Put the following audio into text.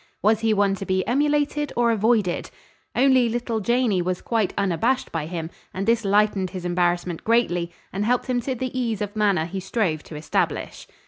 Was he one to be emulated or avoided? Only little Janey was quite unabashed by him, and this lightened his embarrassment greatly and helped him to the ease of manner he strove to establish.